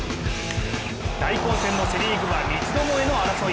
大混戦のセ・リーグは三つどもえの争い。